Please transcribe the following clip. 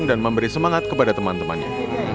dan memberi semangat kepada teman temannya